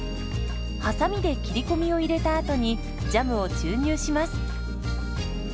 はさみで切り込みを入れたあとにジャムを注入します。